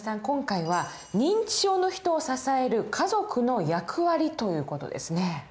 今回は認知症の人を支える家族の役割という事ですね。